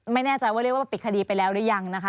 ไม่แน่ใจว่าเรียกว่าปิดคดีไปแล้วหรือยังนะคะ